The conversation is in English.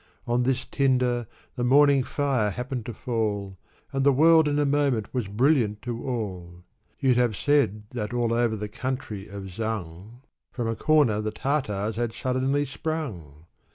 On this tinder, the morning fire happened to fall, And the world in a moment was brilliant to all. You'd have said that all over the country of 2^g, ^ From a corner, the Tartars had suddenly sprung